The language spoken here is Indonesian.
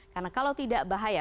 karena kalau tidak bahaya